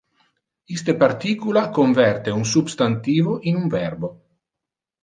Iste particula converte un substantivo in un verbo.